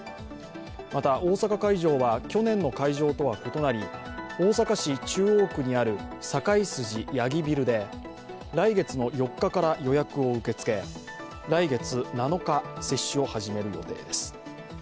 また、大阪会場は去年の会場とは異なり大阪市中央区にある堺筋八木ビルで来月４日から予約を受け付け来月７日、接種を始める予定です。